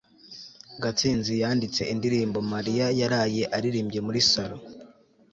gatsinzi yanditse indirimbo mariya yaraye aririmbye muri salo